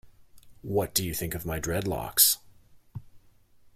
What do you think of my dreadlocks?